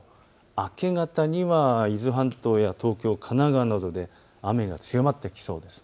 明け方には伊豆諸島や東京、神奈川などで雨が強まってきそうです。